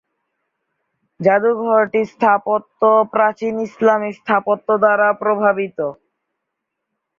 জাদুঘরটির স্থাপত্য প্রাচীন ইসলামী স্থাপত্য দ্বারা প্রভাবিত।